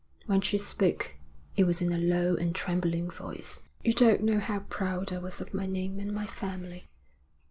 When she spoke it was in a low and trembling voice. 'You don't know how proud I was of my name and my family.